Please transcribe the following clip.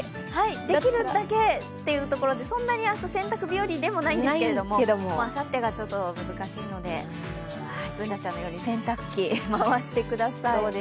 できるだけということで、そんなに明日洗濯日和でもないんですけど、あさってがちょっと難しいのでＢｏｏｎａちゃんのように洗濯機回してください。